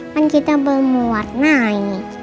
men kita bermuat naik